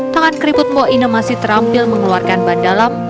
tangan keriput moinem masih terampil mengeluarkan ban dalam